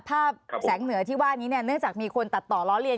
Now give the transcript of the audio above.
ภาพแสงเหนือที่ว่านี้เนี่ยเนื่องจากมีคนตัดต่อล้อเลีย